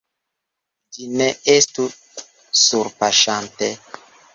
Ĝi ne estu surpaŝanta.